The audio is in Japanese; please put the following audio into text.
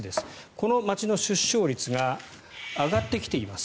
この町の出生率が上がってきています。